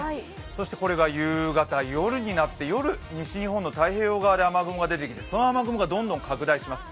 そしてこれが夕方、夜になって、夜、西日本の太平洋側で雨雲が出てきてその雨雲がどんどん拡大します。